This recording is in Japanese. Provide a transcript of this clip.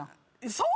そう？